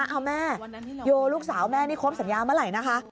เอาแม่โยลูกสาวแม่นี่ครบสัญญาเมื่อไหร่นะคะ